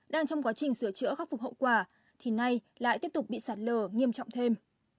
đang trong quá trình sửa chữa khắc phục hậu quả thì nay lại tiếp tục bị sạt lở nghiêm trọng thêm